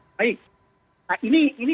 baik nah ini